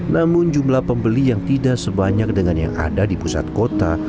namun jumlah pembeli yang tidak sebanyak dengan yang ada di pusat kota